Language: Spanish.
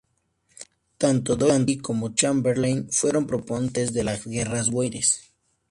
Tanto Doyle como Chamberlain fueron proponentes de las Guerras Bóeres.